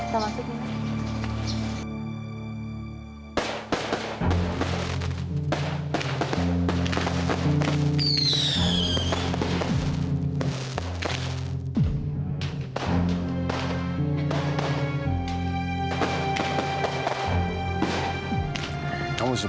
yuk kita masuk